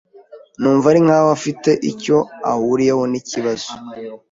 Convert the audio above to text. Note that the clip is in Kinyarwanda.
Numva ari nkaho afite icyo ahuriyeho niki kibazo.